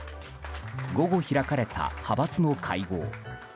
午後、開かれた派閥の会合。